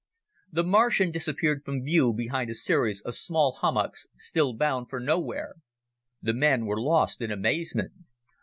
The Martian disappeared from view behind a series of small hummocks, still bound for nowhere. The men were lost in amazement.